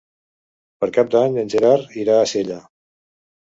Per Cap d'Any en Gerard irà a Sella.